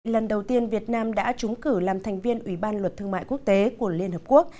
lần đầu tiên việt nam đã trúng cử làm thành viên ủy ban luật thương mại quốc tế của liên hợp quốc